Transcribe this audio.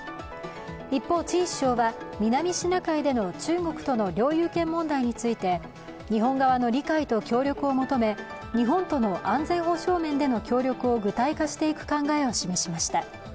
一方、チン首相は南シナ海での中国での領有権問題について日本側の理解と協力を求め日本との安全保障面での協力を具体化していく考えを示しました。